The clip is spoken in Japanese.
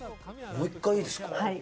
もう１回いいですか。